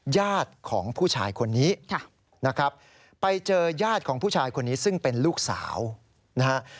ญาติของผู้ชายคนนี้นะครับไปเจอญาติของผู้ชายคนนี้ซึ่งเป็นลูกสาวนะฮะ